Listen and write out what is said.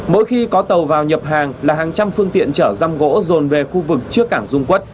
mỗi khi có tàu vào nhập hàng là hàng trăm phương tiện chở răm gỗ rồn về khu vực trước cảng dung quốc